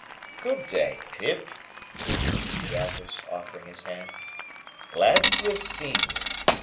"Good day, Pip," said Mr. Jaggers, offering his hand; "glad to have seen you.